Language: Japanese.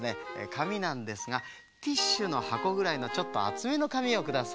かみなんですがティッシュのはこぐらいのちょっとあつめのかみをください。